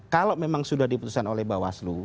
kalau memang sudah diputuskan oleh bawaslu